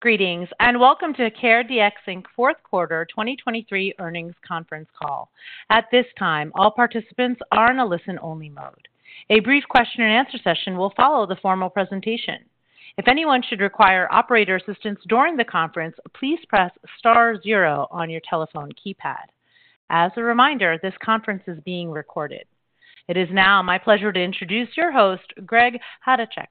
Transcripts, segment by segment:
Greetings, and welcome to CareDx, Inc. fourth quarter 2023 earnings conference call. At this time, all participants are in a listen-only mode. A brief question-and-answer session will follow the formal presentation. If anyone should require operator assistance during the conference, please press star zero on your telephone keypad. As a reminder, this conference is being recorded. It is now my pleasure to introduce your host, Greg Chodaczek,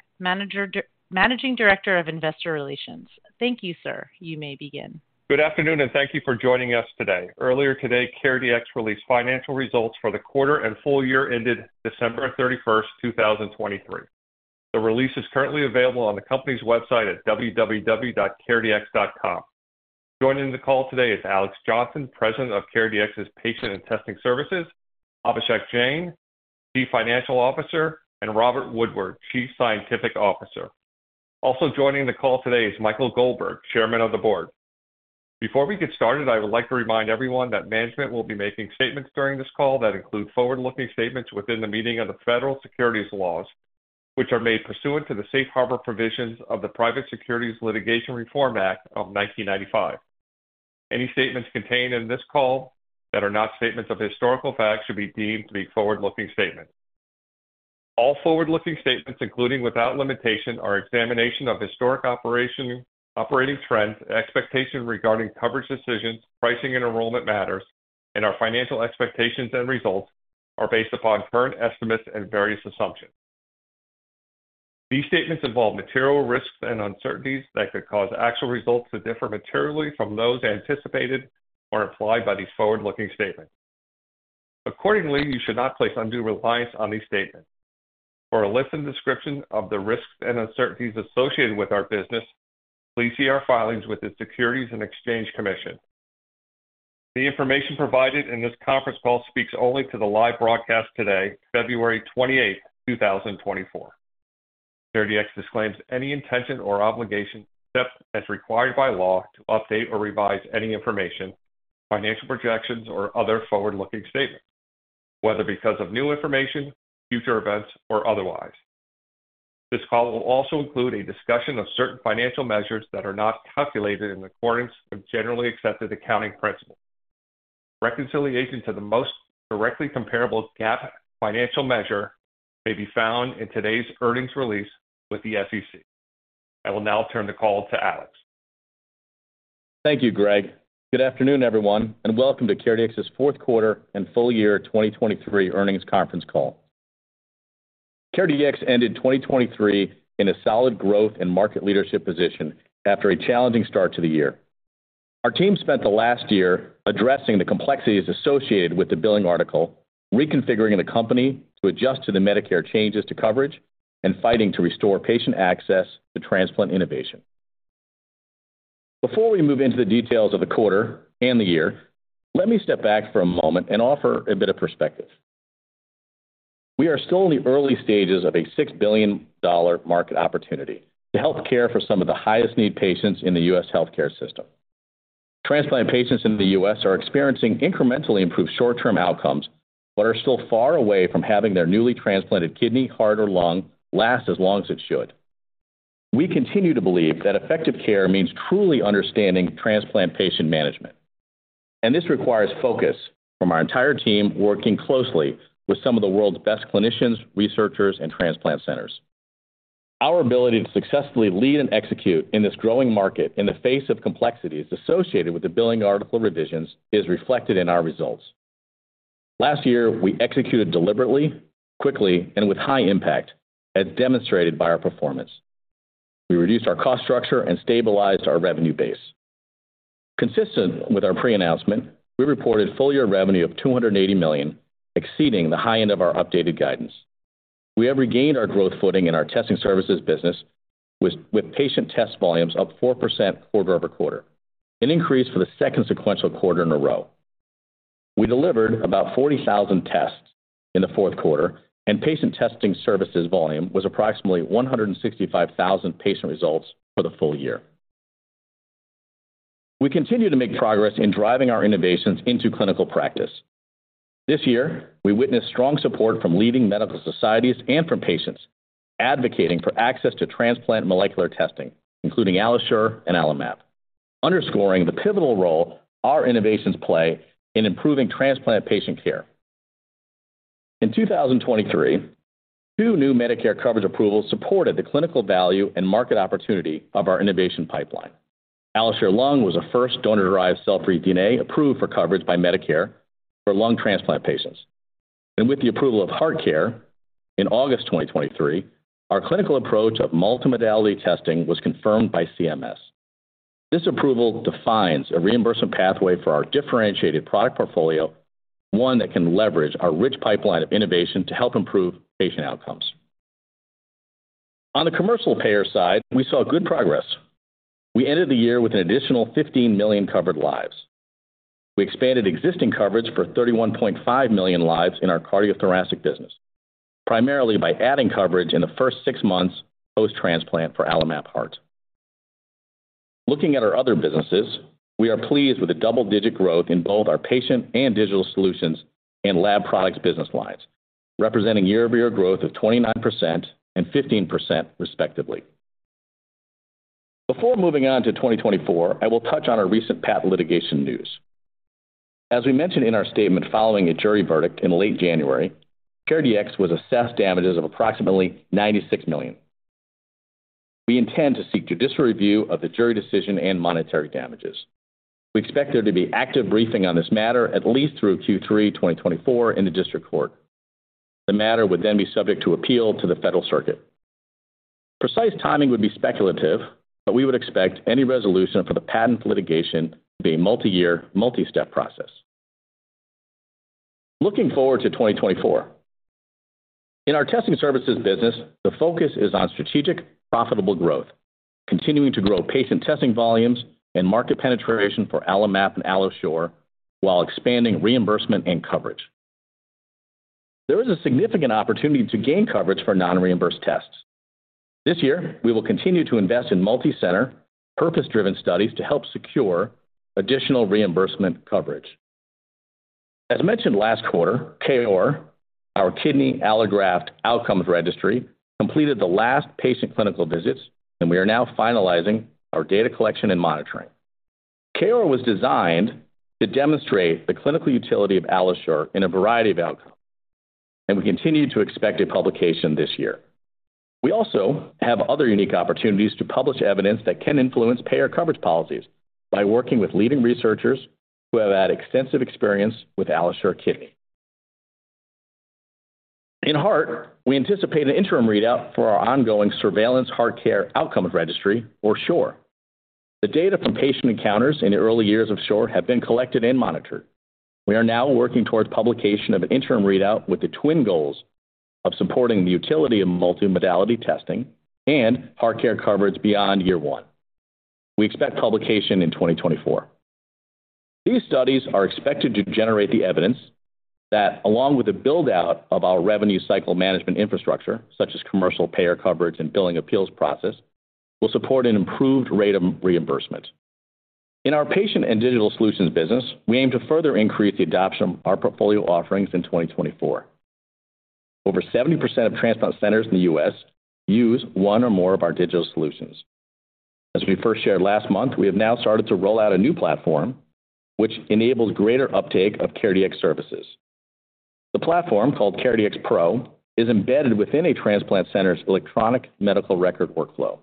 Managing Director of Investor Relations. Thank you, sir. You may begin. Good afternoon, and thank you for joining us today. Earlier today, CareDx released financial results for the quarter and full year ended December 31, 2023. The release is currently available on the company's website at www.caredx.com. Joining the call today is Alex Johnson, President of CareDx's Patient and Testing Services, Abhishek Jain, Chief Financial Officer, and Robert Woodward, Chief Scientific Officer. Also joining the call today is Michael Goldberg, Chairman of the Board. Before we get started, I would like to remind everyone that management will be making statements during this call that include forward-looking statements within the meaning of the federal securities laws, which are made pursuant to the safe harbor provisions of the Private Securities Litigation Reform Act of 1995. Any statements contained in this call that are not statements of historical fact should be deemed to be forward-looking statements. All forward-looking statements, including without limitation, our examination of historic operation, operating trends, expectations regarding coverage decisions, pricing and enrollment matters, and our financial expectations and results, are based upon current estimates and various assumptions. These statements involve material risks and uncertainties that could cause actual results to differ materially from those anticipated or implied by these forward-looking statements. Accordingly, you should not place undue reliance on these statements. For a list and description of the risks and uncertainties associated with our business, please see our filings with the Securities and Exchange Commission. The information provided in this conference call speaks only to the live broadcast today, February 28, 2024. CareDx disclaims any intention or obligation, except as required by law, to update or revise any information, financial projections, or other forward-looking statements, whether because of new information, future events, or otherwise. This call will also include a discussion of certain financial measures that are not calculated in accordance with generally accepted accounting principles. Reconciliation to the most directly comparable GAAP financial measure may be found in today's earnings release with the SEC. I will now turn the call to Alex. Thank you, Greg. Good afternoon, everyone, and welcome to CareDx's fourth quarter and full year 2023 earnings conference call. CareDx ended 2023 in a solid growth and market leadership position after a challenging start to the year. Our team spent the last year addressing the complexities associated with the billing article, reconfiguring the company to adjust to the Medicare changes to coverage, and fighting to restore patient access to transplant innovation. Before we move into the details of the quarter and the year, let me step back for a moment and offer a bit of perspective. We are still in the early stages of a $6 billion market opportunity to help care for some of the highest need patients in the U.S. healthcare system. Transplant patients in the U.S. are experiencing incrementally improved short-term outcomes, but are still far away from having their newly transplanted kidney, heart, or lung last as long as it should. We continue to believe that effective care means truly understanding transplant patient management, and this requires focus from our entire team, working closely with some of the world's best clinicians, researchers, and transplant centers. Our ability to successfully lead and execute in this growing market in the face of complexities associated with the Billing Article revisions is reflected in our results. Last year, we executed deliberately, quickly, and with high impact, as demonstrated by our performance. We reduced our cost structure and stabilized our revenue base. Consistent with our pre-announcement, we reported full year revenue of $280 million, exceeding the high end of our updated guidance. We have regained our growth footing in our testing services business, with patient test volumes up 4% quarter-over-quarter, an increase for the second sequential quarter in a row. We delivered about 40,000 tests in the fourth quarter, and patient testing services volume was approximately 165,000 patient results for the full year. We continue to make progress in driving our innovations into clinical practice. This year, we witnessed strong support from leading medical societies and from patients advocating for access to transplant molecular testing, including AlloSure and AlloMap, underscoring the pivotal role our innovations play in improving transplant patient care. In 2023, two new Medicare coverage approvals supported the clinical value and market opportunity of our innovation pipeline. AlloSure Lung was the first donor-derived cell-free DNA approved for coverage by Medicare for lung transplant patients. With the approval of HeartCare in August 2023, our clinical approach of multimodality testing was confirmed by CMS. This approval defines a reimbursement pathway for our differentiated product portfolio, one that can leverage our rich pipeline of innovation to help improve patient outcomes. On the commercial payer side, we saw good progress. We ended the year with an additional 15 million covered lives. We expanded existing coverage for 31.5 million lives in our cardiothoracic business, primarily by adding coverage in the first six months post-transplant for AlloMap Heart. Looking at our other businesses, we are pleased with the double-digit growth in both our patient and digital solutions and lab products business lines representing year-over-year growth of 29% and 15%, respectively. Before moving on to 2024, I will touch on our recent patent litigation news. As we mentioned in our statement following a jury verdict in late January, CareDx was assessed damages of approximately $96 million. We intend to seek judicial review of the jury decision and monetary damages. We expect there to be active briefing on this matter, at least through Q3 2024 in the district court. The matter would then be subject to appeal to the Federal Circuit. Precise timing would be speculative, but we would expect any resolution for the patent litigation to be a multi-year, multi-step process. Looking forward to 2024. In our testing services business, the focus is on strategic, profitable growth, continuing to grow patient testing volumes and market penetration for AlloMap and AlloSure, while expanding reimbursement and coverage. There is a significant opportunity to gain coverage for non-reimbursed tests. This year, we will continue to invest in multi-center, purpose-driven studies to help secure additional reimbursement coverage. As mentioned last quarter, KOAR, our Kidney Allograft Outcomes Registry, completed the last patient clinical visits, and we are now finalizing our data collection and monitoring. KOAR was designed to demonstrate the clinical utility of AlloSure in a variety of outcomes, and we continue to expect a publication this year. We also have other unique opportunities to publish evidence that can influence payer coverage policies by working with leading researchers who have had extensive experience with AlloSure Kidney. In heart, we anticipate an interim readout for our ongoing Surveillance HeartCare Outcomes Registry, or SHORE. The data from patient encounters in the early years of SHORE have been collected and monitored. We are now working towards publication of an interim readout with the twin goals of supporting the utility of multimodality testing and HeartCare coverage beyond year one. We expect publication in 2024. These studies are expected to generate the evidence that, along with the build-out of our revenue cycle management infrastructure, such as commercial payer coverage and billing appeals process, will support an improved rate of reimbursement. In our patient and digital solutions business, we aim to further increase the adoption of our portfolio offerings in 2024. Over 70% of transplant centers in the U.S. use one or more of our digital solutions. As we first shared last month, we have now started to roll out a new platform, which enables greater uptake of CareDx services. The platform, called CareDx Pro, is embedded within a transplant center's electronic medical record workflow.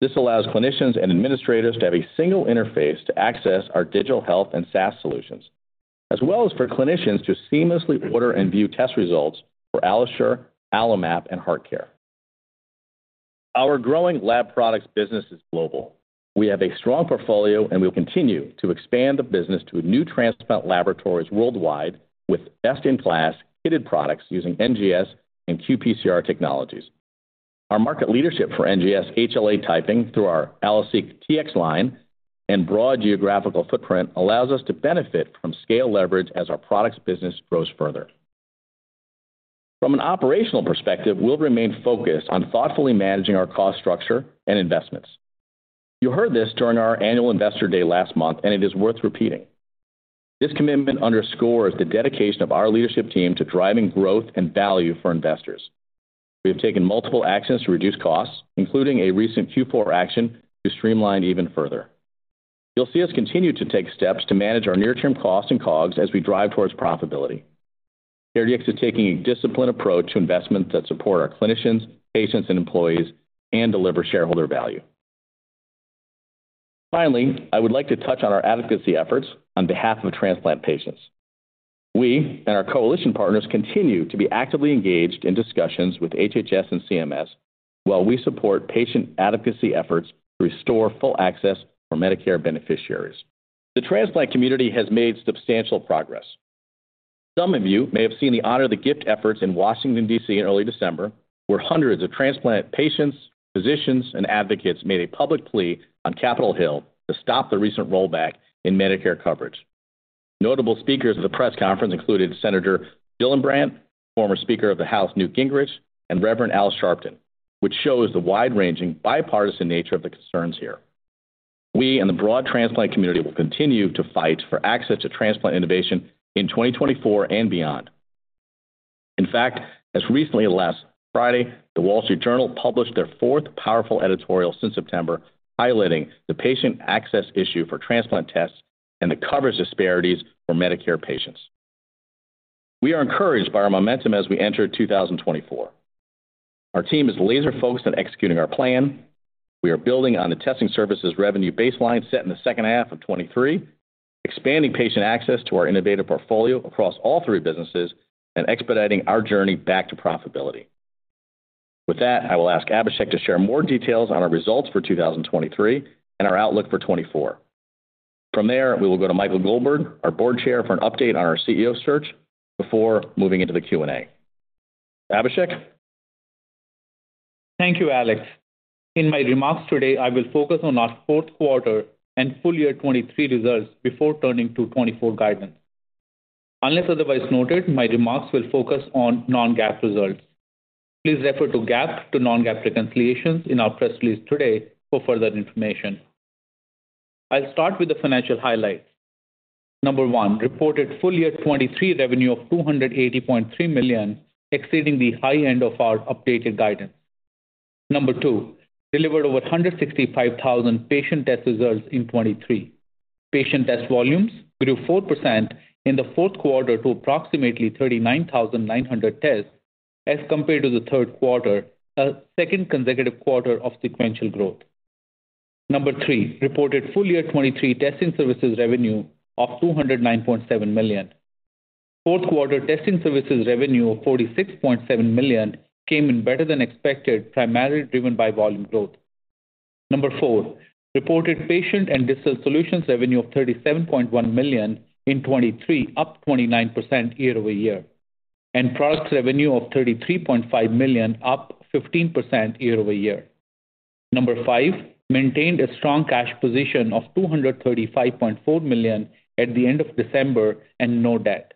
This allows clinicians and administrators to have a single interface to access our digital health and SaaS solutions, as well as for clinicians to seamlessly order and view test results for AlloSure, AlloMap and HeartCare. Our growing lab products business is global. We have a strong portfolio, and we will continue to expand the business to new transplant laboratories worldwide with best-in-class kitted products using NGS and qPCR technologies. Our market leadership for NGS HLA typing through our AlloSeq Tx line and broad geographical footprint allows us to benefit from scale leverage as our products business grows further. From an operational perspective, we'll remain focused on thoughtfully managing our cost structure and investments. You heard this during our annual Investor Day last month, and it is worth repeating. This commitment underscores the dedication of our leadership team to driving growth and value for investors. We have taken multiple actions to reduce costs, including a recent Q4 action to streamline even further. You'll see us continue to take steps to manage our near-term costs and COGS as we drive towards profitability. CareDx is taking a disciplined approach to investments that support our clinicians, patients, and employees and deliver shareholder value. Finally, I would like to touch on our advocacy efforts on behalf of transplant patients. We and our coalition partners continue to be actively engaged in discussions with HHS and CMS, while we support patient advocacy efforts to restore full access for Medicare beneficiaries. The transplant community has made substantial progress. Some of you may have seen the Honor the Gift efforts in Washington, D.C., in early December, where hundreds of transplant patients, physicians, and advocates made a public plea on Capitol Hill to stop the recent rollback in Medicare coverage. Notable speakers at the press conference included Senator Gillibrand, former Speaker of the House, Newt Gingrich, and Reverend Al Sharpton, which shows the wide-ranging, bipartisan nature of the concerns here. We and the broad transplant community will continue to fight for access to transplant innovation in 2024 and beyond. In fact, as recently as last Friday, The Wall Street Journal published their fourth powerful editorial since September, highlighting the patient access issue for transplant tests and the coverage disparities for Medicare patients. We are encouraged by our momentum as we enter 2024. Our team is laser-focused on executing our plan. We are building on the testing services revenue baseline set in the second half of 2023, expanding patient access to our innovative portfolio across all three businesses, and expediting our journey back to profitability. With that, I will ask Abhishek to share more details on our results for 2023 and our outlook for 2024. From there, we will go to Michael Goldberg, our board chair, for an update on our CEO search before moving into the Q&A. Abhishek? Thank you, Alex. In my remarks today, I will focus on our fourth quarter and full year 2023 results before turning to 2024 guidance. Unless otherwise noted, my remarks will focus on non-GAAP results. Please refer to GAAP to non-GAAP reconciliations in our press release today for further information. I'll start with the financial highlights. Number one, reported full year 2023 revenue of $280.3 million, exceeding the high end of our updated guidance. Number two, delivered over 165,000 patient test results in 2023. Patient test volumes grew 4% in the fourth quarter to approximately 39,900 tests as compared to the third quarter, a second consecutive quarter of sequential growth. Number three, reported full year 2023 testing services revenue of $209.7 million. Fourth quarter testing services revenue of $46.7 million came in better than expected, primarily driven by volume growth. Number four, reported patient and digital solutions revenue of $37.1 million in 2023, up 29% year-over-year, and products revenue of $33.5 million, up 15% year-over-year. Number five, maintained a strong cash position of $235.4 million at the end of December and no debt.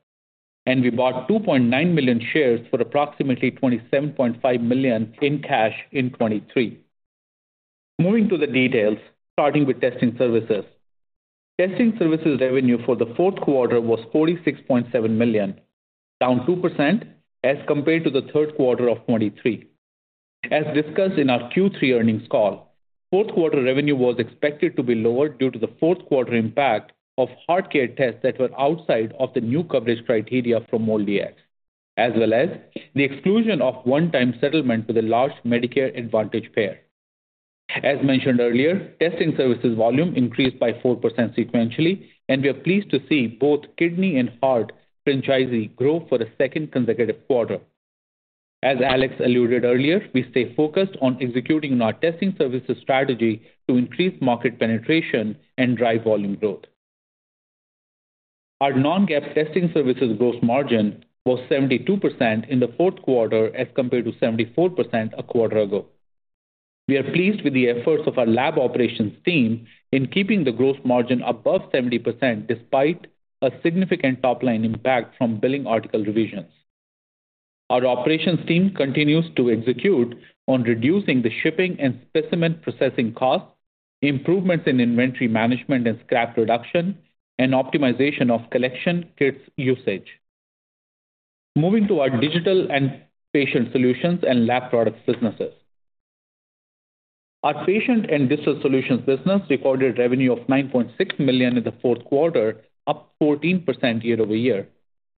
We bought 2.9 million shares for approximately $27.5 million in cash in 2023. Moving to the details, starting with testing services. Testing services revenue for the fourth quarter was $46.7 million, down 2% as compared to the third quarter of 2023. As discussed in our Q3 earnings call, fourth quarter revenue was expected to be lower due to the fourth quarter impact of heart care tests that were outside of the new coverage criteria from MolDX, as well as the exclusion of one-time settlement with a large Medicare Advantage payer. As mentioned earlier, testing services volume increased by 4% sequentially, and we are pleased to see both kidney and heart franchise grow for the second consecutive quarter. As Alex alluded earlier, we stay focused on executing on our testing services strategy to increase market penetration and drive volume growth. Our Non-GAAP testing services gross margin was 72% in the fourth quarter, as compared to 74% a quarter ago. We are pleased with the efforts of our lab operations team in keeping the gross margin above 70%, despite a significant top-line impact from billing article revisions. Our operations team continues to execute on reducing the shipping and specimen processing costs, improvements in inventory management and scrap reduction, and optimization of collection kits usage. Moving to our digital and patient solutions and lab products businesses. Our patient and digital solutions business recorded revenue of $9.6 million in the fourth quarter, up 14% year-over-year,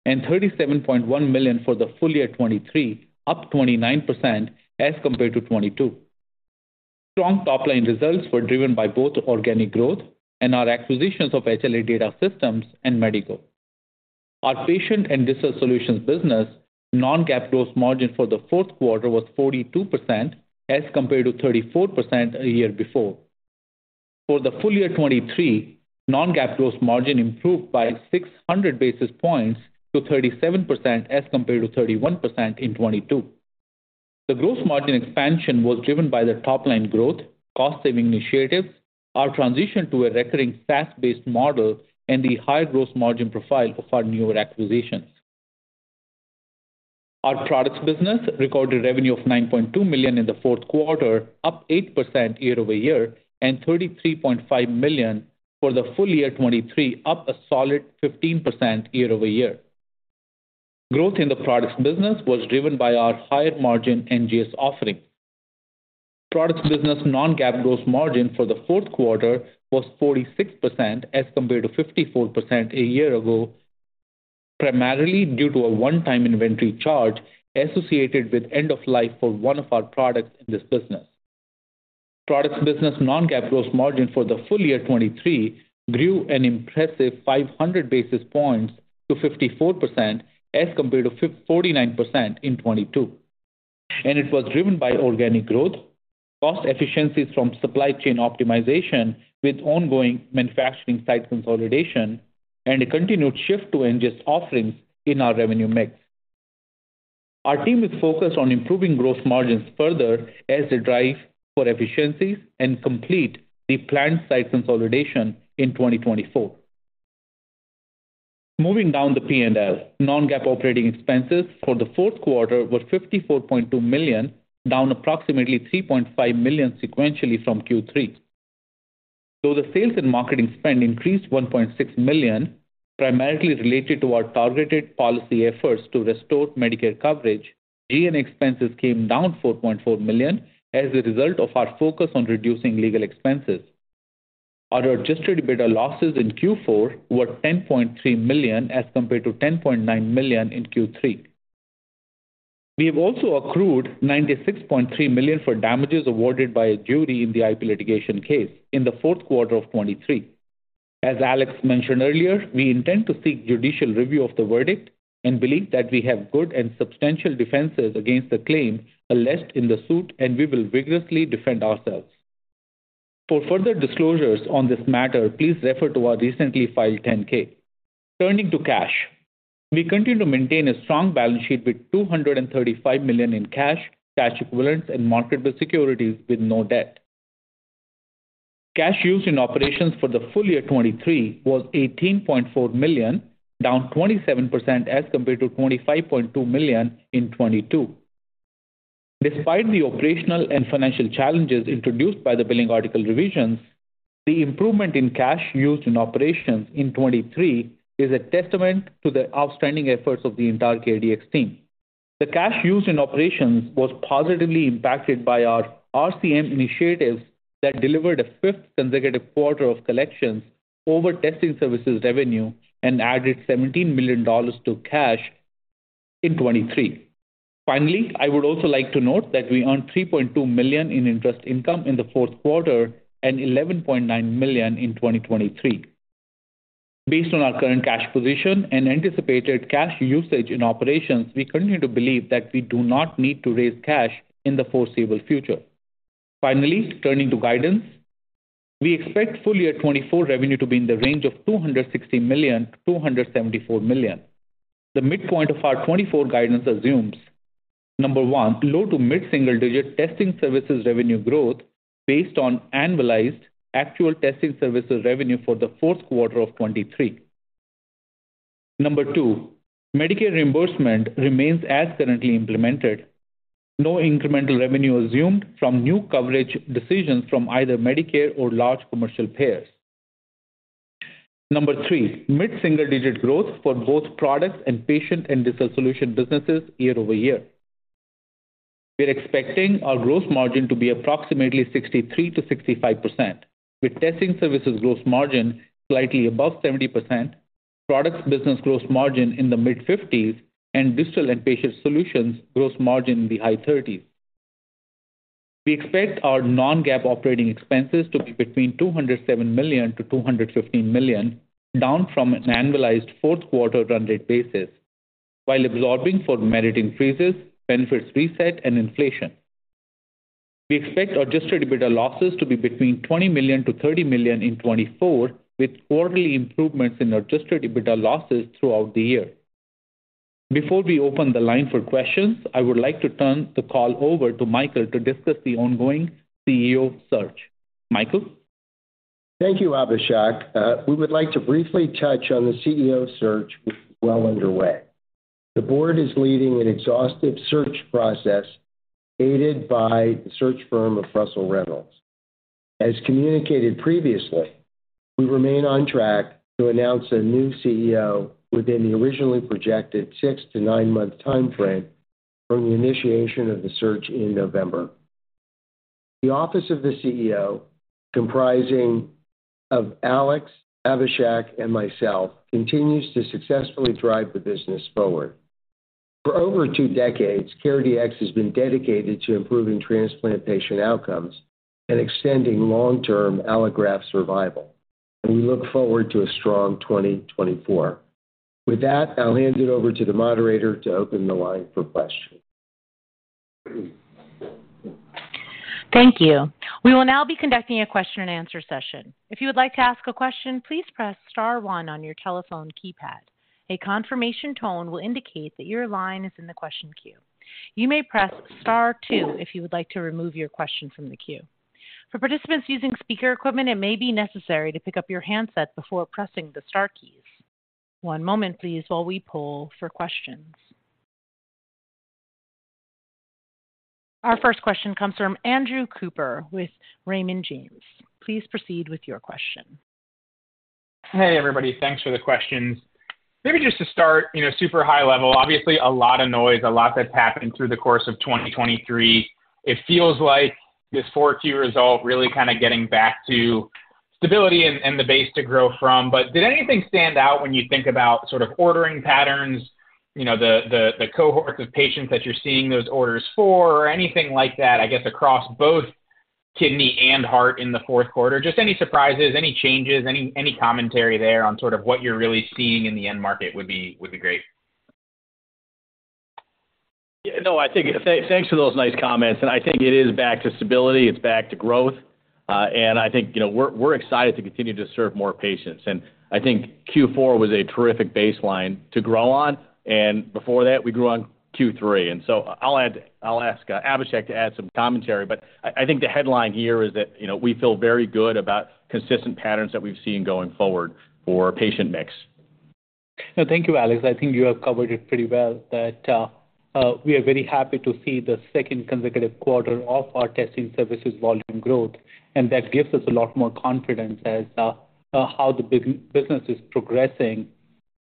and $37.1 million for the full year 2023, up 29% as compared to 2022. Strong top-line results were driven by both organic growth and our acquisitions of HLA Data Systems and MediGO. Our patient and digital solutions business non-GAAP gross margin for the fourth quarter was 42%, as compared to 34% a year before. For the full year 2023, non-GAAP gross margin improved by 600 basis points to 37%, as compared to 31% in 2022. The gross margin expansion was driven by the top-line growth, cost-saving initiatives, our transition to a recurring SaaS-based model, and the high gross margin profile of our newer acquisitions. Our products business recorded revenue of $9.2 million in the fourth quarter, up 8% year-over-year, and $33.5 million for the full year 2023, up a solid 15% year-over-year. Growth in the products business was driven by our higher margin NGS offering. Products business non-GAAP gross margin for the fourth quarter was 46%, as compared to 54% a year ago, primarily due to a one-time inventory charge associated with end of life for one of our products in this business. Products business non-GAAP gross margin for the full year 2023 grew an impressive 500 basis points to 54%, as compared to forty-nine percent in 2022. It was driven by organic growth, cost efficiencies from supply chain optimization with ongoing manufacturing site consolidation, and a continued shift to NGS offerings in our revenue mix. Our team is focused on improving gross margins further as they drive for efficiencies and complete the planned site consolidation in 2024. Moving down the P&L. Non-GAAP operating expenses for the fourth quarter were $54.2 million, down approximately $3.5 million sequentially from Q3. Though the sales and marketing spend increased $1.6 million, primarily related to our targeted policy efforts to restore Medicare coverage, G&A expenses came down $4.4 million as a result of our focus on reducing legal expenses. Our adjusted EBITDA losses in Q4 were $10.3 million, as compared to $10.9 million in Q3. We have also accrued $96.3 million for damages awarded by a jury in the IP litigation case in the fourth quarter of 2023. As Alex mentioned earlier, we intend to seek judicial review of the verdict and believe that we have good and substantial defenses against the claim alleged in the suit, and we will vigorously defend ourselves. For further disclosures on this matter, please refer to our recently filed 10-K. Turning to cash. We continue to maintain a strong balance sheet with $235 million in cash, cash equivalents, and marketable securities, with no debt. Cash used in operations for the full year 2023 was $18.4 million, down 27% as compared to $25.2 million in 2022. Despite the operational and financial challenges introduced by the billing article revisions, the improvement in cash used in operations in 2023 is a testament to the outstanding efforts of the entire CareDx team. The cash used in operations was positively impacted by our RCM initiatives that delivered a fifth consecutive quarter of collections over testing services revenue and added $17 million to cash in 2023. Finally, I would also like to note that we earned $3.2 million in interest income in the fourth quarter and $11.9 million in 2023. Based on our current cash position and anticipated cash usage in operations, we continue to believe that we do not need to raise cash in the foreseeable future. Finally, turning to guidance. We expect full year 2024 revenue to be in the range of $260 million to $274 million. The midpoint of our 2024 guidance assumes, one, low to mid-single-digit testing services revenue growth based on annualized actual testing services revenue for the fourth quarter of 2023. Two, Medicare reimbursement remains as currently implemented. No incremental revenue assumed from new coverage decisions from either Medicare or large commercial payers. Three, mid-single-digit growth for both products and patient and digital solution businesses year-over-year. We're expecting our gross margin to be approximately 63% to 65%, with testing services gross margin slightly above 70%, products business gross margin in the mid-50s, and digital and patient solutions gross margin in the high 30s. We expect our non-GAAP operating expenses to be between $207 million to $215 million, down from an annualized fourth quarter run rate basis, while absorbing for merit increases, benefits reset, and inflation. We expect our Adjusted EBITDA losses to be between $20 million to $30 million in 2024, with quarterly improvements in Adjusted EBITDA losses throughout the year. Before we open the line for questions, I would like to turn the call over to Michael to discuss the ongoing CEO search. Michael? Thank you, Abhishek. We would like to briefly touch on the CEO search, which is well underway. The board is leading an exhaustive search process, aided by the search firm of Russell Reynolds. As communicated previously, we remain on track to announce a new CEO within the originally projected six to nine month time frame from the initiation of the search in November. The office of the CEO, comprising of Alex, Abhishek, and myself, continues to successfully drive the business forward. For over two decades, CareDx has been dedicated to improving transplant patient outcomes and extending long-term allograft survival, and we look forward to a strong 2024. With that, I'll hand it over to the moderator to open the line for questions. Thank you. We will now be conducting a question-and-answer session. If you would like to ask a question, please press star one on your telephone keypad. A confirmation tone will indicate that your line is in the question queue. You may press star two if you would like to remove your question from the queue. For participants using speaker equipment, it may be necessary to pick up your handset before pressing the star keys. One moment please, while we poll for questions. Our first question comes from Andrew Cooper with Raymond James. Please proceed with your question. Hey, everybody. Thanks for the questions. Maybe just to start, you know, super high level, obviously a lot of noise, a lot that's happened through the course of 2023. It feels like this Q4 result really kind of getting back to stability and, and the base to grow from. But did anything stand out when you think about sort of ordering patterns, you know, the, the, the cohorts of patients that you're seeing those orders for or anything like that, I guess, across both kidney and heart in the fourth quarter? Just any surprises, any changes, any, any commentary there on sort of what you're really seeing in the end market would be, would be great. Yeah, no, I think thanks for those nice comments, and I think it is back to stability, it's back to growth. And I think, you know, we're, we're excited to continue to serve more patients. And I think Q4 was a terrific baseline to grow on, and before that, we grew on Q3. And so I'll ask Abhishek to add some commentary, but I, I think the headline here is that, you know, we feel very good about consistent patterns that we've seen going forward for patient mix. No, thank you, Alex. I think you have covered it pretty well, that, we are very happy to see the second consecutive quarter of our testing services volume growth, and that gives us a lot more confidence as, how the business is progressing,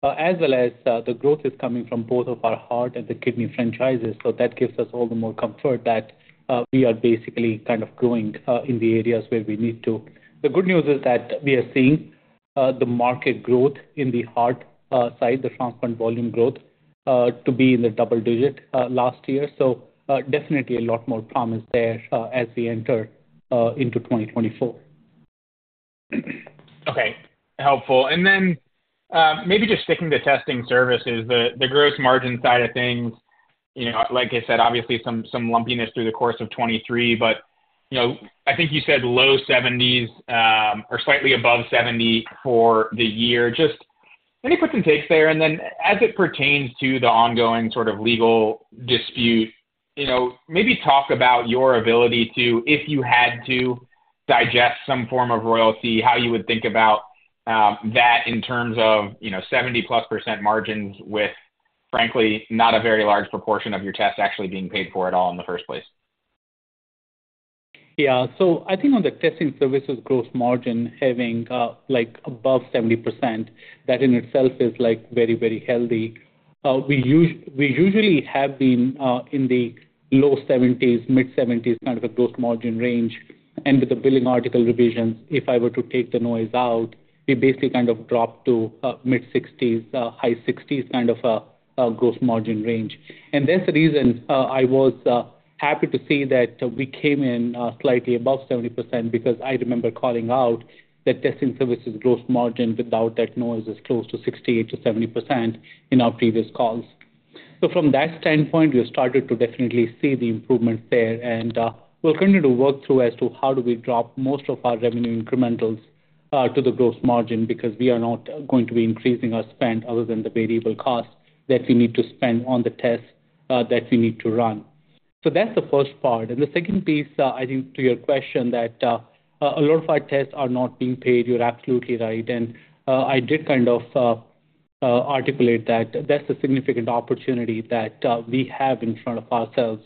as well as, the growth is coming from both of our heart and the kidney franchises. So that gives us all the more comfort that, we are basically kind of growing, in the areas where we need to. The good news is that we are seeing, the market growth in the heart, side, the front-end volume growth, to be in the double digit, last year. So, definitely a lot more promise there, as we enter, into 2024. Okay, helpful. And then, maybe just sticking to testing services, the, the gross margin side of things, you know, like I said, obviously some, some lumpiness through the course of 2023, but, you know, I think you said low 70s, or slightly above 70 for the year. Just let me put some takes there. And then as it pertains to the ongoing sort of legal dispute, you know, maybe talk about your ability to, if you had to digest some form of royalty, how you would think about, that in terms of, you know, 70+% margins with, frankly, not a very large proportion of your tests actually being paid for at all in the first place? Yeah. So I think on the testing services, gross margin having, like, above 70%, that in itself is, like, very, very healthy. We usually have been in the low 70s, mid-70s, kind of a gross margin range. And with the Billing Article revisions, if I were to take the noise out, we basically kind of dropped to mid-60s, high 60s, kind of a gross margin range. And that's the reason I was happy to see that we came in slightly above 70%, because I remember calling out that testing services gross margin without that noise is close to 68% to 70% in our previous calls. So from that standpoint, we have started to definitely see the improvements there, and, we're going to work through as to how do we drop most of our revenue incrementals, to the gross margin, because we are not going to be increasing our spend other than the variable costs that we need to spend on the tests, that we need to run. So that's the first part. And the second piece, I think to your question, that, a lot of our tests are not being paid, you're absolutely right. And, I did kind of, articulate that. That's a significant opportunity that, we have in front of ourselves.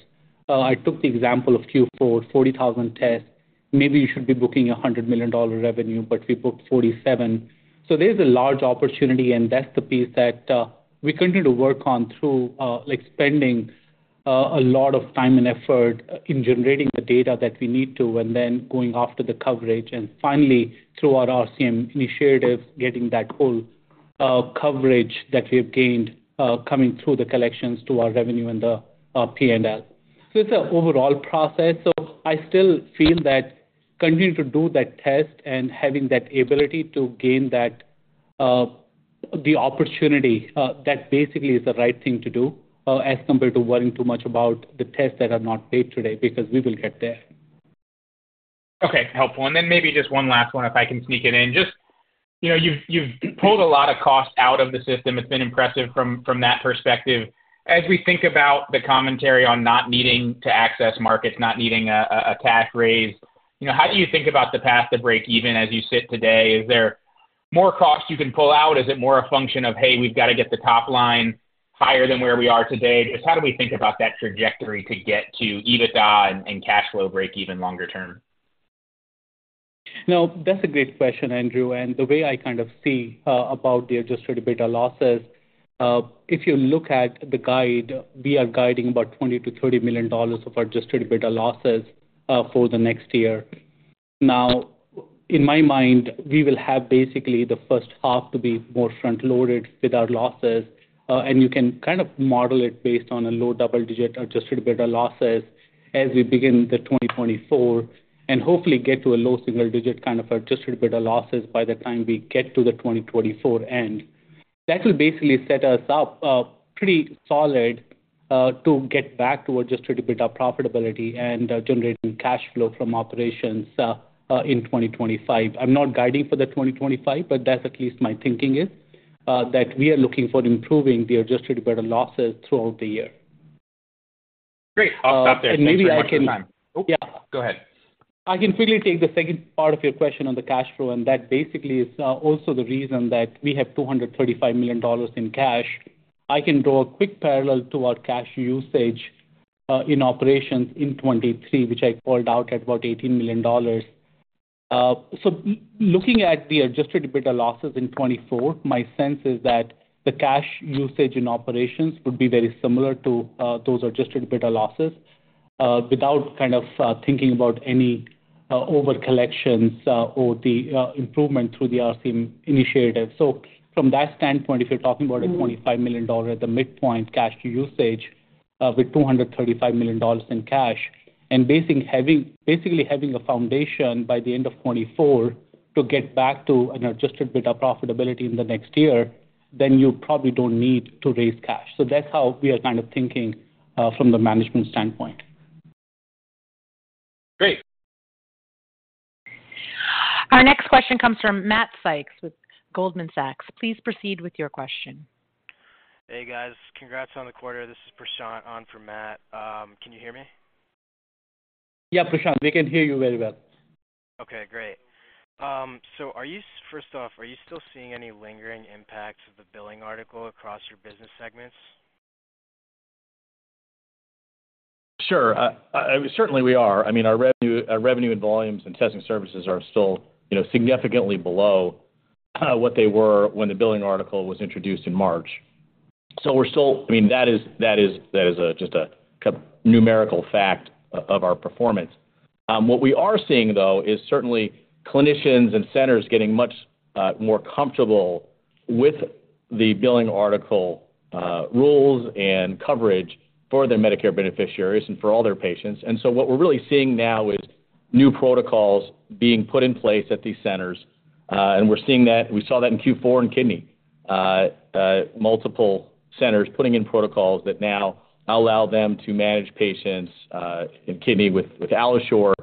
I took the example of Q4, 40,000 tests. Maybe you should be booking $100 million revenue, but we booked $47 million. So there's a large opportunity, and that's the piece that we continue to work on through, like, spending a lot of time and effort in generating the data that we need to, and then going after the coverage. And finally, through our RCM initiative, getting that whole coverage that we've gained coming through the collections to our revenue and our P&L. So it's an overall process, so I still feel that continuing to do that test and having that ability to gain that the opportunity that basically is the right thing to do as compared to worrying too much about the tests that are not paid today, because we will get there. Okay, helpful. And then maybe just one last one, if I can sneak it in. Just, you know, you've pulled a lot of cost out of the system. It's been impressive from that perspective. As we think about the commentary on not needing to access markets, not needing an equity raise, you know, how do you think about the path to breakeven as you sit today? Is there more costs you can pull out? Is it more a function of, "Hey, we've got to get the top line higher than where we are today?" Just how do we think about that trajectory to get to EBITDA and cash flow breakeven longer term? No, that's a great question, Andrew, and the way I kind of see about the adjusted EBITDA losses, if you look at the guide, we are guiding about $20 to $30 million of adjusted EBITDA losses for the next year. Now, in my mind, we will have basically the first half to be more front loaded with our losses. And you can kind of model it based on a low double-digit adjusted EBITDA losses as we begin the 2024, and hopefully get to a low single-digit kind of adjusted EBITDA losses by the time we get to the 2024 end. That will basically set us up pretty solid to get back to adjusted EBITDA profitability and generating cash flow from operations in 2025. I'm not guiding for the 2025, but that's at least my thinking is, that we are looking for improving the Adjusted EBITDA losses throughout the year. Great. I'll stop there. And maybe I can- Thanks very much for your time. Oh, go ahead. I can quickly take the second part of your question on the cash flow, and that basically is also the reason that we have $235 million in cash. I can draw a quick parallel to our cash usage in operations in 2023, which I called out at about $18 million. So looking at the adjusted EBITDA losses in 2024, my sense is that the cash usage in operations would be very similar to those adjusted EBITDA losses without kind of thinking about any overcollections or the improvement through the RCM initiative. So from that standpoint, if you're talking about a $25 million at the midpoint cash usage, with $235 million in cash, and basically having a foundation by the end of 2024 to get back to an Adjusted EBITDA profitability in the next year, then you probably don't need to raise cash. So that's how we are kind of thinking from the management standpoint. Great. Our next question comes from Matt Sykes with Goldman Sachs. Please proceed with your question. Hey, guys. Congrats on the quarter. This is Prashant on for Matt. Can you hear me? Yeah, Prashant, we can hear you very well. Okay, great. First off, are you still seeing any lingering impacts of the Billing Article across your business segments? Sure. Certainly we are. I mean, our revenue, our revenue and volumes and testing services are still, you know, significantly below what they were when the billing article was introduced in March. So we're still. I mean, that is just a numerical fact of our performance. What we are seeing, though, is certainly clinicians and centers getting much more comfortable with the billing article rules and coverage for their Medicare beneficiaries and for all their patients. And so what we're really seeing now is new protocols being put in place at these centers, and we're seeing that. We saw that in Q4 in kidney, multiple centers putting in protocols that now allow them to manage patients in kidney with AlloSure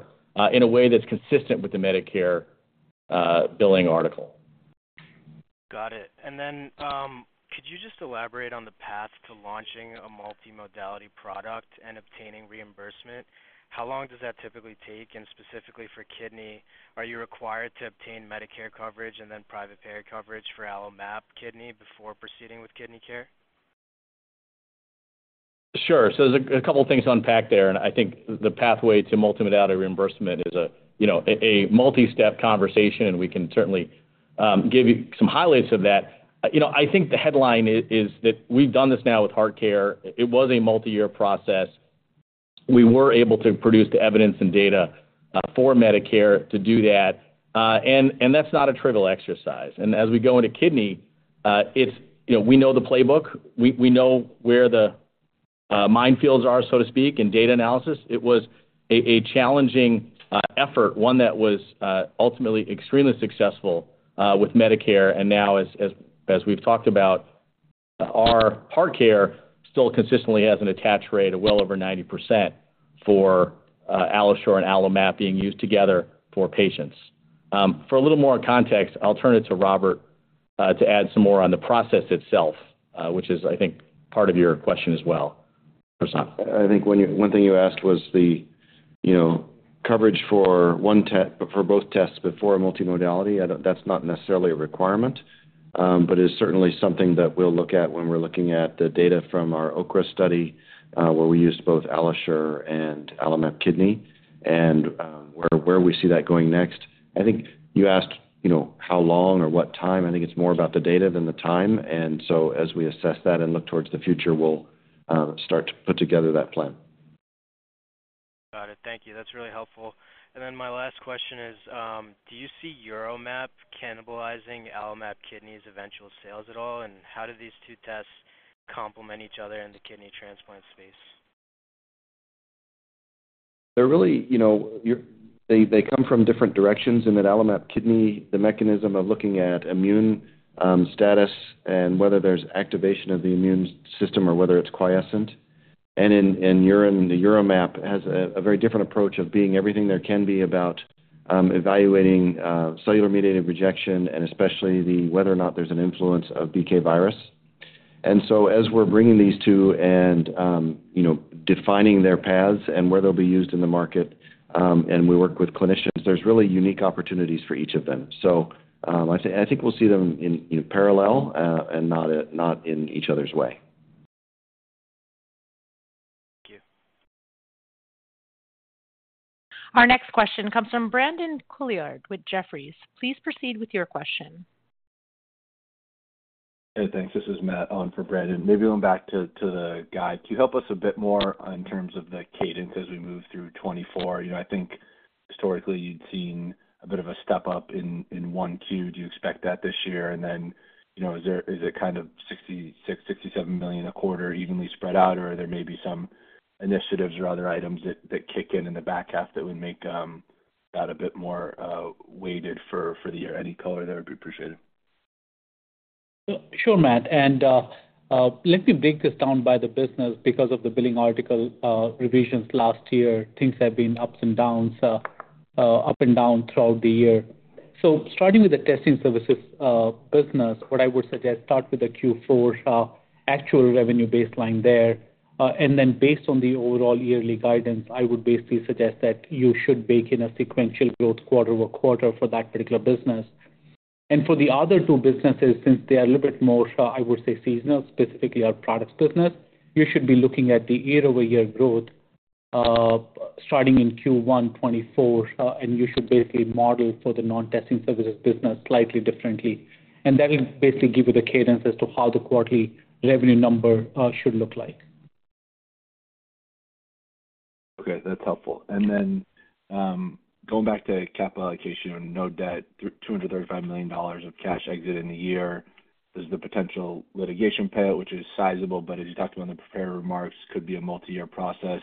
in a way that's consistent with the Medicare billing article. Got it. And then, could you just elaborate on the path to launching a multimodality product and obtaining reimbursement? How long does that typically take? And specifically for kidney, are you required to obtain Medicare coverage and then private payer coverage for AlloMap Kidney before proceeding with KidneyCare? Sure. So there's a couple of things to unpack there, and I think the pathway to multimodality reimbursement is, you know, a multi-step conversation, and we can certainly give you some highlights of that. You know, I think the headline is that we've done this now with HeartCare. It was a multi-year process. We were able to produce the evidence and data for Medicare to do that, and that's not a trivial exercise. And as we go into kidney, it's, you know, we know the playbook, we know where the minefields are, so to speak, and data analysis. It was a challenging effort, one that was ultimately extremely successful with Medicare. Now, as we've talked about, our HeartCare still consistently has an attach rate of well over 90% for AlloSure and AlloMap being used together for patients. For a little more context, I'll turn it to Robert to add some more on the process itself, which is, I think, part of your question as well. I think one thing you asked was the, you know, coverage for both tests before a multimodality. That's not necessarily a requirement, but is certainly something that we'll look at when we're looking at the data from our KOAR study, where we used both AlloSure and AlloMap Kidney, and where we see that going next. I think you asked, you know, how long or what time? I think it's more about the data than the time. So as we assess that and look towards the future, we'll start to put together that plan. Got it. Thank you. That's really helpful. And then my last question is, do you see UroMap cannibalizing AlloMap Kidney's eventual sales at all, and how do these two tests complement each other in the kidney transplant space? They're really, you know, they come from different directions in that AlloMap Kidney, the mechanism of looking at immune status and whether there's activation of the immune system or whether it's quiescent. And in urine, the UroMap has a very different approach of being everything there can be about evaluating cellular mediated rejection and especially whether or not there's an influence of BK virus. And so as we're bringing these two and, you know, defining their paths and where they'll be used in the market, and we work with clinicians, there's really unique opportunities for each of them. So, I say, I think we'll see them in parallel, and not in each other's way. Thank you. Our next question comes from Brandon Couillard with Jefferies. Please proceed with your question. Hey, thanks. This is Matt on for Brandon. Maybe going back to the guide, can you help us a bit more in terms of the cadence as we move through 2024? You know, I think historically you've seen a bit of a step up in Q1. Do you expect that this year? And then, you know, is there, is it kind of $66 to $67 million a quarter evenly spread out, or there may be some initiatives or other items that kick in in the back half that would make that a bit more weighted for the year? Any color there would be appreciated. Sure, Matt. And, let me break this down by the business. Because of the billing article, revisions last year, things have been ups and downs, up and down throughout the year. So starting with the testing services, business, what I would suggest, start with the Q4, actual revenue baseline there. And then based on the overall yearly guidance, I would basically suggest that you should bake in a sequential growth quarter-over-quarter for that particular business. And for the other two businesses, since they are a little bit more, I would say seasonal, specifically our products business, you should be looking at the year-over-year growth, starting in Q1 2024, and you should basically model for the non-testing services business slightly differently. That will basically give you the cadence as to how the quarterly revenue number should look like. Okay, that's helpful. Then, going back to capital allocation on no debt, $235 million of cash exit in the year. There's the potential litigation payout, which is sizable, but as you talked about in the prepared remarks, could be a multi-year process.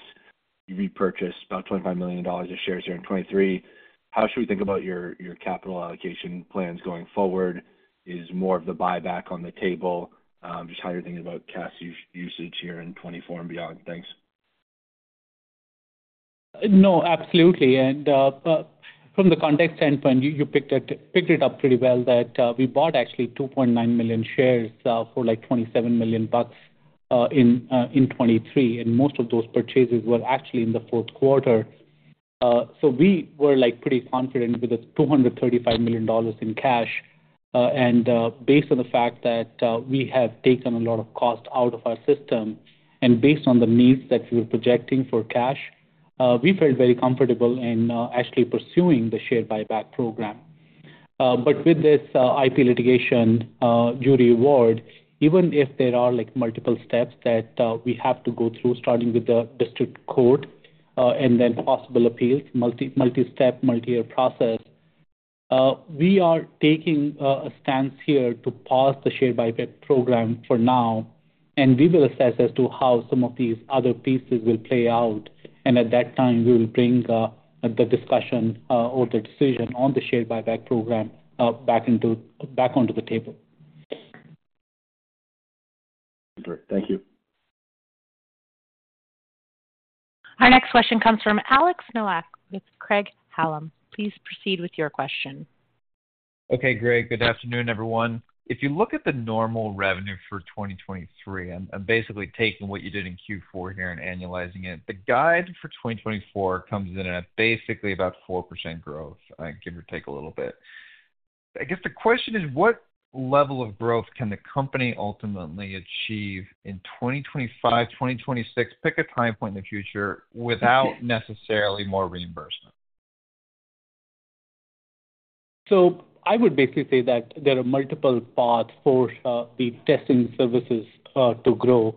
You repurchased about $25 million of shares here in 2023. How should we think about your, your capital allocation plans going forward? Is more of the buyback on the table? Just how you're thinking about cash usage here in 2024 and beyond. Thanks. No, absolutely. And from the context standpoint, you picked it up pretty well, that we bought actually $2.9 million shares for, like, $27 million in 2023, and most of those purchases were actually in the fourth quarter. So we were, like, pretty confident with the $235 million in cash. And based on the fact that we have taken a lot of cost out of our system and based on the needs that we're projecting for cash, we felt very comfortable in actually pursuing the share buyback program. But with this IP litigation jury award, even if there are, like, multiple steps that we have to go through, starting with the district court, and then possible appeals, multi-step, multi-year process, we are taking a stance here to pause the share buyback program for now, and we will assess as to how some of these other pieces will play out, and at that time, we will bring the discussion or the decision on the share buyback program back onto the table. Great. Thank you. Our next question comes from Alex Nowak with Craig-Hallum. Please proceed with your question. Okay, great. Good afternoon, everyone. If you look at the normal revenue for 2023, I'm basically taking what you did in Q4 here and annualizing it. The guide for 2024 comes in at basically about 4% growth, give or take a little bit. I guess the question is: What level of growth can the company ultimately achieve in 2025, 2026, pick a time point in the future, without necessarily more reimbursement? So I would basically say that there are multiple paths for the testing services to grow.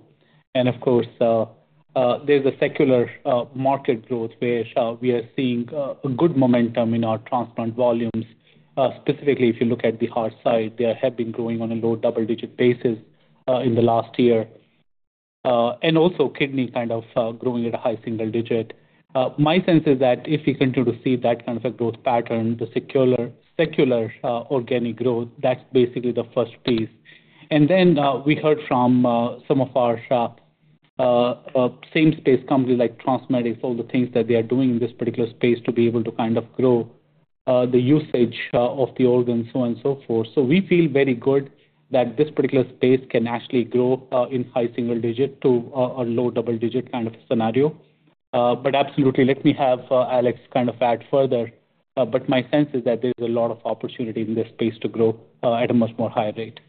And of course, there's a secular market growth where we are seeing a good momentum in our transplant volumes. Specifically, if you look at the heart side, they have been growing on a low double-digit basis in the last year. And also kidney kind of growing at a high single digit. My sense is that if we continue to see that kind of a growth pattern, the secular organic growth, that's basically the first piece. And then, we heard from, some of our, same space companies like TransMedics, all the things that they are doing in this particular space to be able to kind of grow, the usage, of the organ, so on and so forth. So we feel very good that this particular space can actually grow, in high single digit to, a low double digit kind of scenario. But absolutely, let me have, Alex kind of add further, but my sense is that there's a lot of opportunity in this space to grow, at a much more higher rate.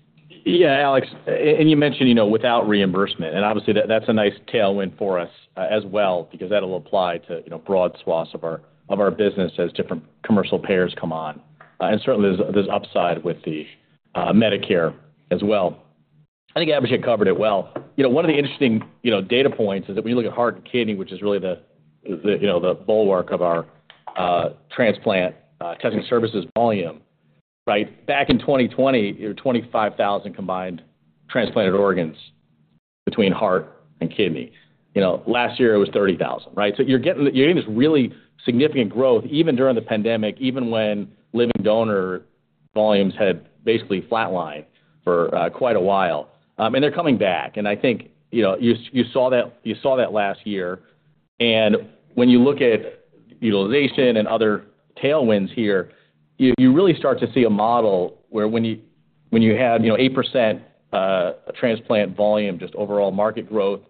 Yeah, Alex, and you mentioned, you know, without reimbursement, and obviously, that's a nice tailwind for us, as well, because that'll apply to, you know, broad swaths of our, of our business as different commercial payers come on. And certainly there's upside with the Medicare as well. I think Abhishek covered it well. You know, one of the interesting, you know, data points is that when you look at heart and kidney, which is really the, you know, the bulwark of our transplant testing services volume, right? Back in 2020, you know, 25,000 combined transplanted organs between heart and kidney. You know, last year it was 30,000, right? So you're getting this really significant growth, even during the pandemic, even when living donor volumes had basically flatlined for quite a while. And they're coming back, and I think, you know, you saw that, you saw that last year. And when you look at utilization and other tailwinds here, you, you really start to see a model where when you, when you have, you know, 8%, transplant volume, just overall market growth,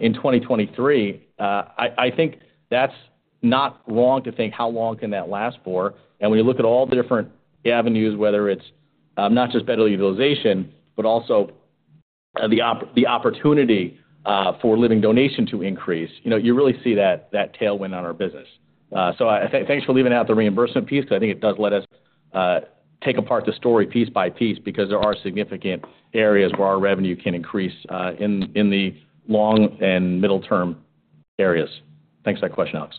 in 2023, I, I think that's not long to think, how long can that last for? And when you look at all the different avenues, whether it's, not just better utilization, but also, the opportunity, for living donation to increase, you know, you really see that, that tailwind on our business. Thanks for leaving out the reimbursement piece, because I think it does let us take apart the story piece by piece, because there are significant areas where our revenue can increase in the long and middle-term areas. Thanks for that question, Alex.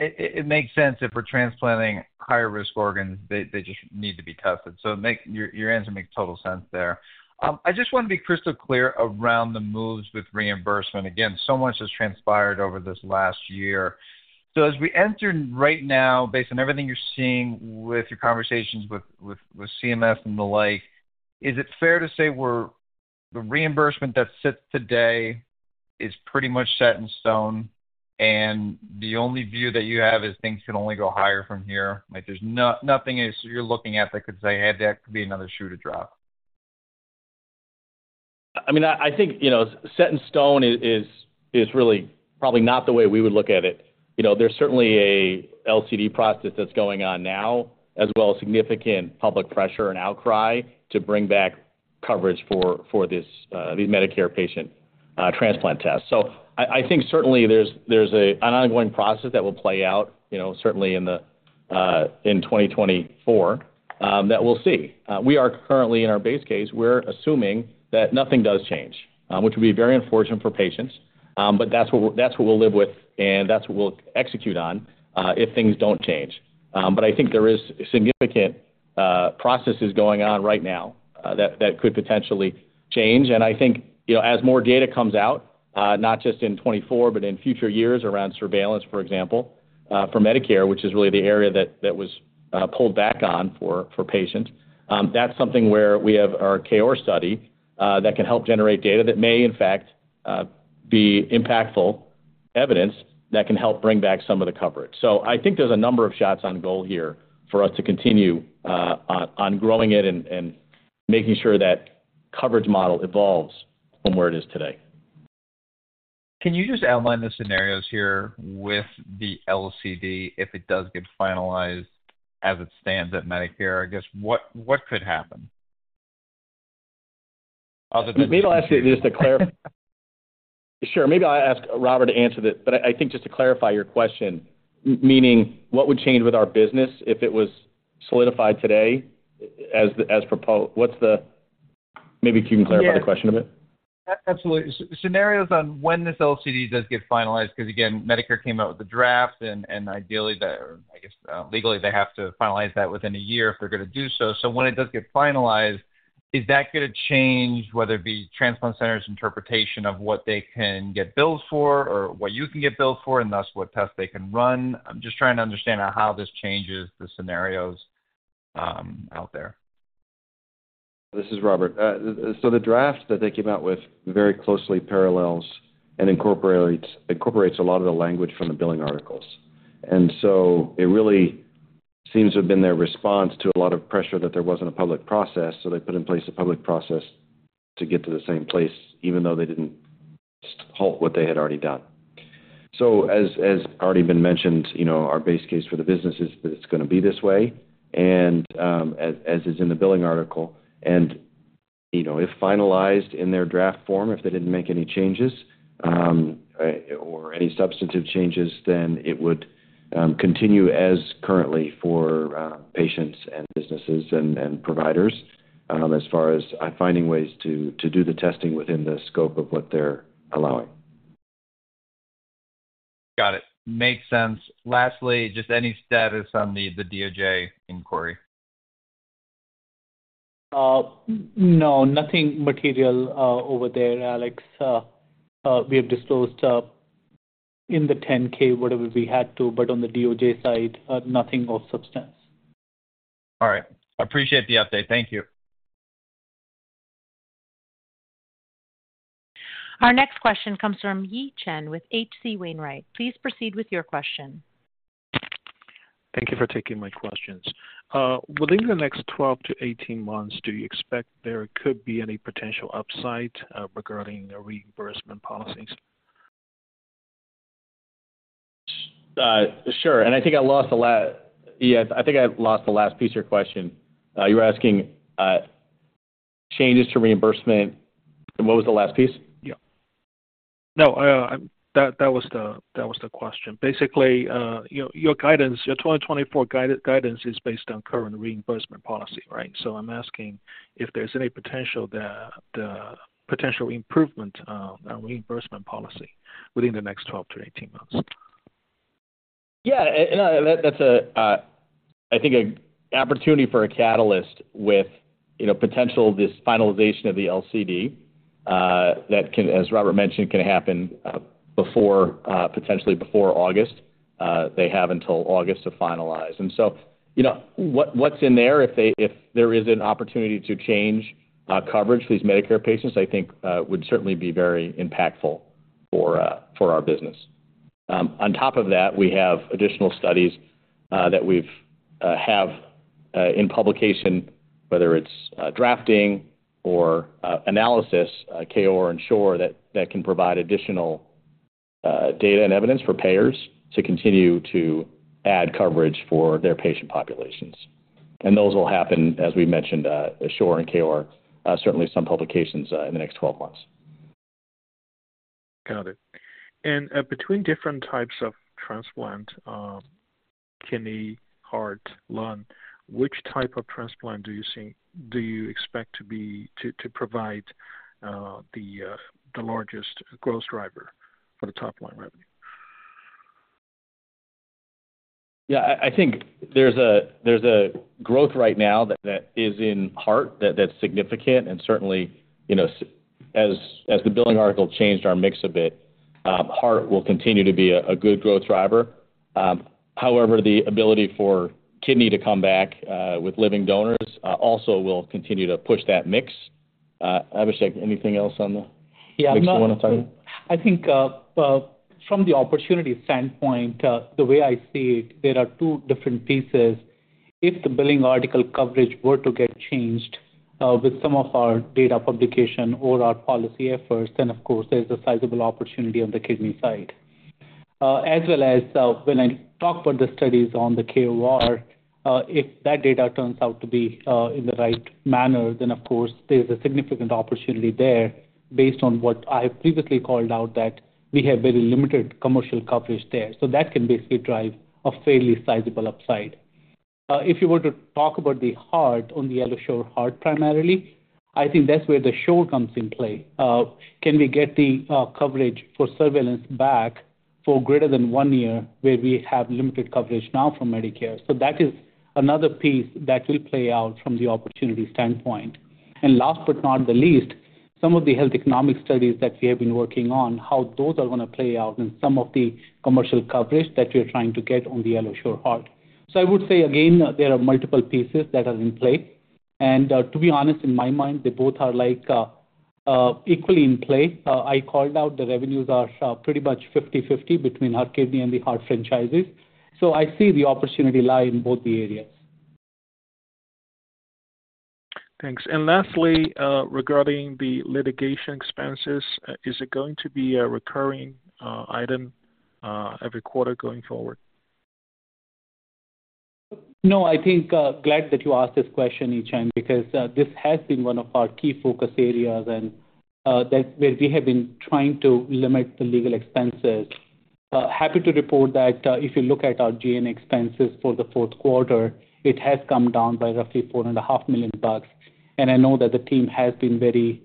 It makes sense if we're transplanting higher risk organs, they just need to be tested. So, your answer makes total sense there. I just want to be crystal clear around the moves with reimbursement. Again, so much has transpired over this last year. So as we enter right now, based on everything you're seeing with your conversations with CMS and the like, is it fair to say the reimbursement that sits today is pretty much set in stone, and the only view that you have is things can only go higher from here? Like, there's nothing else you're looking at that could say, "Hey, that could be another shoe to drop. I mean, I think, you know, set in stone is really probably not the way we would look at it. You know, there's certainly a LCD process that's going on now, as well as significant public pressure and outcry to bring back coverage for this, these Medicare patient transplant tests. So I think certainly there's an ongoing process that will play out, you know, certainly in 2024, that we'll see. We are currently in our base case, we're assuming that nothing does change, which would be very unfortunate for patients, but that's what we, that's what we'll live with, and that's what we'll execute on, if things don't change. But I think there is significant processes going on right now, that could potentially change. And I think, you know, as more data comes out, not just in 2024, but in future years around surveillance, for example, for Medicare, which is really the area that, that was, pulled back on for, for patients, that's something where we have our KOAR study, that can help generate data that may, in fact, be impactful evidence that can help bring back some of the coverage. So I think there's a number of shots on goal here for us to continue, on, on growing it and, and making sure that coverage model evolves from where it is today. Can you just outline the scenarios here with the LCD, if it does get finalized as it stands at Medicare? I guess, what, what could happen? Maybe I'll ask you just to clarify. Sure, maybe I'll ask Robert to answer this, but I think just to clarify your question, meaning what would change with our business if it was solidified today as proposed? What's the, maybe if you can clarify the question a bit. Absolutely. Scenarios on when this LCD does get finalized, because, again, Medicare came out with a draft, and ideally, they're, I guess, legally, they have to finalize that within a year if they're going to do so. So when it does get finalized, is that going to change, whether it be transplant centers' interpretation of what they can get billed for or what you can get billed for, and thus what tests they can run? I'm just trying to understand how this changes the scenarios out there. This is Robert. So the draft that they came out with very closely parallels and incorporates a lot of the language from the billing articles. And so it really seems to have been their response to a lot of pressure that there wasn't a public process, so they put in place a public process to get to the same place, even though they didn't halt what they had already done. As already been mentioned, you know, our base case for the business is that it's gonna be this way, and as is in the Billing Article, and you know, if finalized in their draft form, if they didn't make any changes, or any substantive changes, then it would continue as currently for patients and businesses and providers, as far as finding ways to do the testing within the scope of what they're allowing. Got it. Makes sense. Lastly, just any status on the DOJ inquiry? No, nothing material over there, Alex. We have disclosed in the 10-K, whatever we had to, but on the DOJ side, nothing of substance. All right. I appreciate the update. Thank you. Our next question comes from Yi Chen with H.C. Wainwright. Please proceed with your question. Thank you for taking my questions. Within the next 12 to 18 months, do you expect there could be any potential upside regarding the reimbursement policies? Sure. I think I lost the last piece of your question. You were asking changes to reimbursement, and what was the last piece? Yeah. No, that was the question. Basically, you know, your guidance, your 2024 guidance is based on current reimbursement policy, right? So I'm asking if there's any potential that the potential improvement on reimbursement policy within the next 12 to 18 months. Yeah, and that, that's a, I think, an opportunity for a catalyst with, you know, potential, this finalization of the LCD, that can, as Robert mentioned, can happen, before, potentially before August. They have until August to finalize. So, you know, what's in there, if the, if there is an opportunity to change, coverage for these Medicare patients, I think, would certainly be very impactful for, for our business. On top of that, we have additional studies, that we've, have, in publication, whether it's, drafting or, analysis, KOAR to ensure that, that can provide additional, data and evidence for payers to continue to add coverage for their patient populations. And those will happen, as we mentioned, SHORE and KOAR, certainly some publications, in the next 12 months. Got it. And between different types of transplant, kidney, heart, lung, which type of transplant do you expect to be, to, to provide the largest growth driver for the top line revenue? Yeah, I think there's a growth right now that is in heart, that's significant. And certainly, you know, as the Billing Article changed our mix a bit, heart will continue to be a good growth driver. However, the ability for kidney to come back with living donors also will continue to push that mix. Abhishek, anything else on the- Yeah. Mix you wanna talk? I think, from the opportunity standpoint, the way I see it, there are two different pieces. If the billing article coverage were to get changed, with some of our data publication or our policy efforts, then of course there's a sizable opportunity on the kidney side. As well as, when I talk about the studies on the KOAR, if that data turns out to be, in the right manner, then of course there's a significant opportunity there based on what I have previously called out, that we have very limited commercial coverage there. So that can basically drive a fairly sizable upside. If you were to talk about the heart, on the AlloSure Heart, primarily, I think that's where the SHORE comes in play. Can we get the coverage for surveillance back for greater than one year, where we have limited coverage now from Medicare? So that is another piece that will play out from the opportunity standpoint. And last but not the least, some of the health economic studies that we have been working on, how those are gonna play out in some of the commercial coverage that we're trying to get on the AlloSure Heart. So I would say, again, there are multiple pieces that are in play. And, to be honest, in my mind, they both are like equally in play. I called out the revenues are pretty much 50/50 between our kidney and the heart franchises, so I see the opportunity lie in both the areas. Thanks. And lastly, regarding the litigation expenses, is it going to be a recurring item every quarter going forward? No, I think, glad that you asked this question, Yi Chen, because, this has been one of our key focus areas, and, that's where we have been trying to limit the legal expenses. Happy to report that, if you look at our G&A expenses for the fourth quarter, it has come down by roughly $4.5 million. And I know that the team has been very,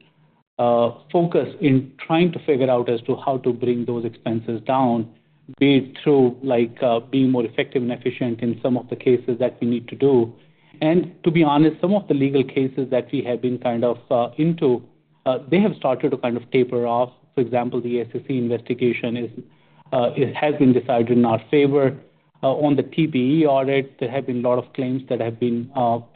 focused in trying to figure out as to how to bring those expenses down, be it through, like, being more effective and efficient in some of the cases that we need to do. And to be honest, some of the legal cases that we have been kind of, into, they have started to kind of taper off. For example, the SEC investigation is, it has been decided in our favor. On the TPE audits, there have been a lot of claims that have been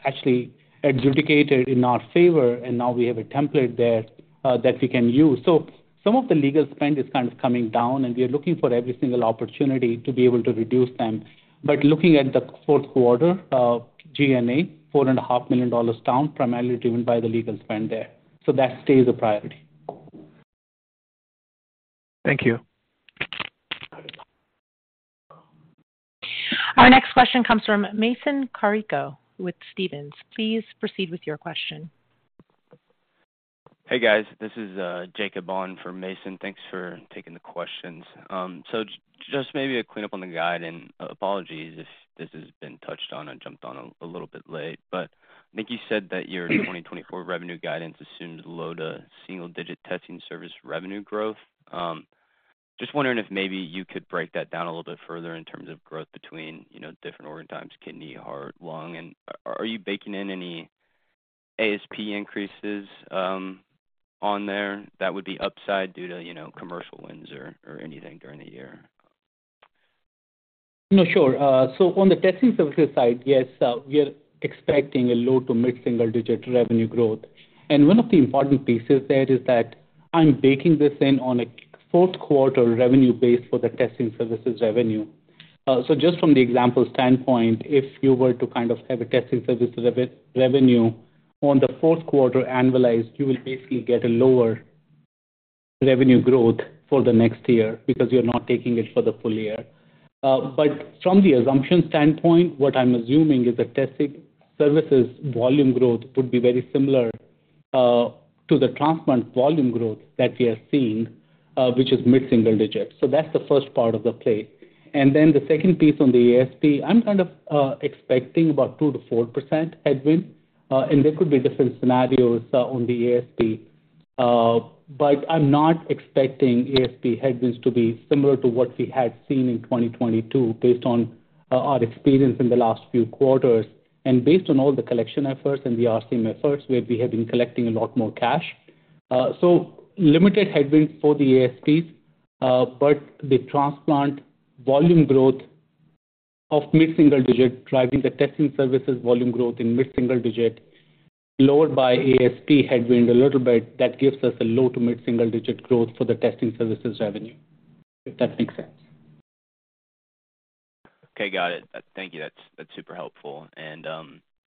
actually adjudicated in our favor, and now we have a template there that we can use. So some of the legal spend is kind of coming down, and we are looking for every single opportunity to be able to reduce them. But looking at the fourth quarter, G&A, $4.5 million down, primarily driven by the legal spend there. So that stays a priority. Thank you. Our next question comes from Mason Carrico with Stephens. Please proceed with your question. Hey, guys, this is Jacob Vaughn from Mason. Thanks for taking the questions. So just maybe a cleanup on the guide, and apologies if this has been touched on. I jumped on a little bit late, but I think you said that your 2024 revenue guidance assumes low to single-digit testing service revenue growth. Just wondering if maybe you could break that down a little bit further in terms of growth between, you know, different organ types, kidney, heart, lung, and are you baking in any ASP increases on there that would be upside due to, you know, commercial wins or anything during the year? No, sure. So on the testing services side, yes, we are expecting a low to mid-single-digit revenue growth. And one of the important pieces there is that I'm baking this in on a fourth quarter revenue base for the testing services revenue. So just from the example standpoint, if you were to kind of have a testing services revenue on the fourth quarter annualized, you will basically get a lower revenue growth for the next year because you're not taking it for the full year. But from the assumption standpoint, what I'm assuming is the testing services volume growth would be very similar to the transplant volume growth that we are seeing, which is mid-single digits. So that's the first part of the play. And then the second piece on the ASP, I'm kind of expecting about 2% to 4% headwind, and there could be different scenarios on the ASP. But I'm not expecting ASP headwinds to be similar to what we had seen in 2022 based on our experience in the last few quarters, and based on all the collection efforts and the RCM efforts, where we have been collecting a lot more cash. So limited headwinds for the ASPs, but the transplant volume growth of mid-single-digit driving the testing services volume growth in mid-single-digit, lowered by ASP headwind a little bit, that gives us a low- to mid-single-digit growth for the testing services revenue, if that makes sense. Okay, got it. Thank you. That's, that's super helpful. And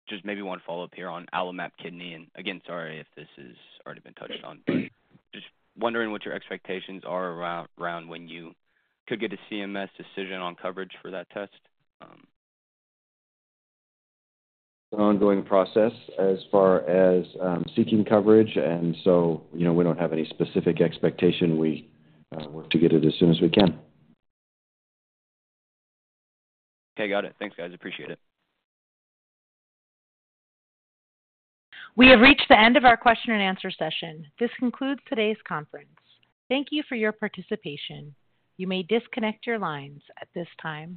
just maybe one follow-up here on AlloMap Kidney, and again, sorry if this has already been touched on, but just wondering what your expectations are around, around when you could get a CMS decision on coverage for that test? An ongoing process as far as seeking coverage, and so, you know, we don't have any specific expectation. We work to get it as soon as we can. Okay, got it. Thanks, guys. Appreciate it. We have reached the end of our question and answer session. This concludes today's conference. Thank you for your participation. You may disconnect your lines at this time.